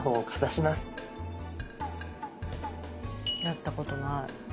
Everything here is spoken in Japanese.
やったことない。